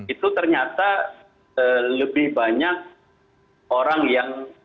itu ternyata lebih banyak orang yang